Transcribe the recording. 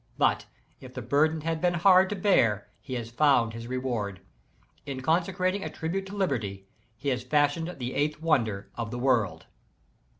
But, if the burden has been hard to bear, he has found his reward. In consecrating a tribute to Liberty, he has fashioned the eighth wonder of the world.